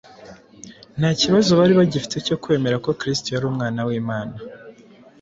Nta kibazo bari bagifite cyo kwemera ko Kristo yari Umwana w’Imana.